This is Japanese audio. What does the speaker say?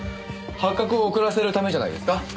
発覚を遅らせるためじゃないですか？